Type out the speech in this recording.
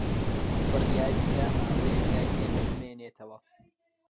بڕیاری دا ماوەیەک لای ئێمە بمێنێتەوە.